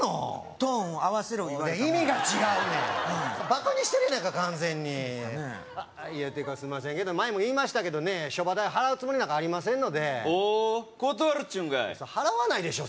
トーン合わせろ言われた意味が違うねんバカにしてるやないか完全にていうかすいませんけど前も言いましたけどねショバ代払うつもりなんかありませんのでおう断るっちゅうんかい払わないでしょ